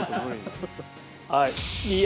はい。